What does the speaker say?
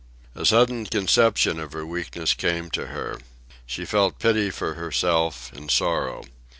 A sudden conception of her weakness came to her. She felt pity for herself, and sorrow.